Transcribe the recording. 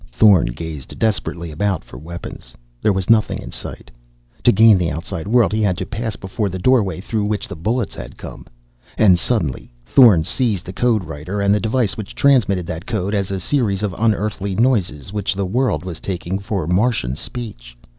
Thorn gazed desperately about for weapons. There was nothing in sight. To gain the outside world he had to pass before the doorway through which the bullets had come.... And suddenly Thorn seized the code writer and the device which transmitted that code as a series of unearthly noises which the world was taking for Martian speech.